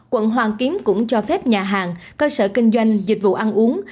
quận hoàn kiếm cũng cho phép nhà hàng cơ sở kinh doanh dịch vụ ăn uống